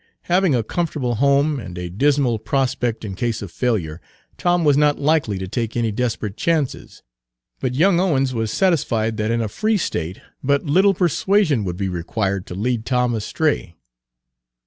Having a comfortable home, and a dismal prospect in case of failure, Tom was not likely to take any desperate chances; but Page 175 young Owens was satisfied that in a free State but little persuasion would be required to lead Tom astray.